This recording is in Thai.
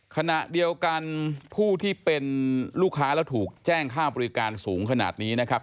ขณะเดียวกันผู้ที่เป็นลูกค้าแล้วถูกแจ้งค่าบริการสูงขนาดนี้นะครับ